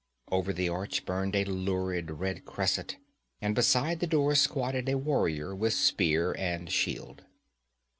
Over the arch burned a lurid red cresset, and beside the door squatted a warrior with spear and shield.